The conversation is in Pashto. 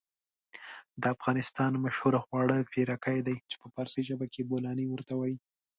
د افغانستان مشهور خواړه پيرکي دي چې په فارسي ژبه کې بولانى ورته وايي.